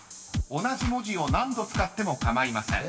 ［同じ文字を何度使っても構いません］